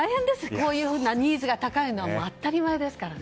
こういうニーズが高いのは当たり前ですからね。